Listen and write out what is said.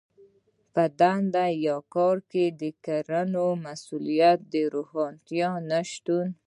په دنده يا کار کې د کړنو د مسوليت د روښانتيا نشتون.